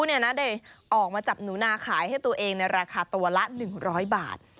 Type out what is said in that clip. ได้ออกมาจับหนูนาขายให้ตัวเองในราคาตัวละ๑๐๐บาท